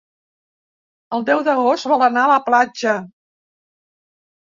El deu d'agost vol anar a la platja.